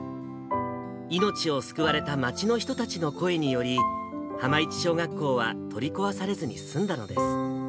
命を救われた町の人たちの声により、浜市小学校は取り壊されずに済んだのです。